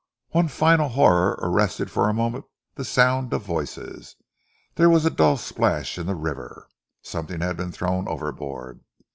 One final horror arrested for a moment the sound of voices. There was a dull splash in the river. Something had been thrown overboard.